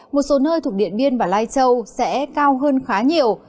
một số nơi thuộc điện biên và lai châu sẽ cao hơn khá nhiều